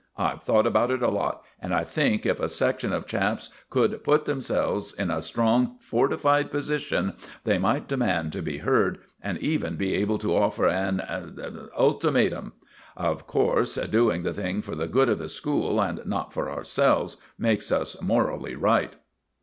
I've thought about it a lot, and I think if a section of chaps could put themselves in a strong, fortified position they might demand to be heard, and even be able to offer an an ultimatum. Of course, doing the thing for the good of the school and not for ourselves makes us morally right."